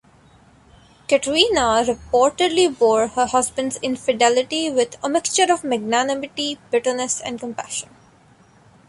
Katerina reportedly bore her husband's infidelity "with a mixture of magnanimity, bitterness, and compassion".